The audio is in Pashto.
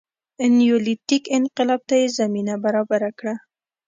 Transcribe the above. نیولیتیک انقلاب ته یې زمینه برابره کړه